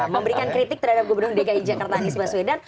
memberikan kritik terhadap gubernur dki jakarta anies baswedan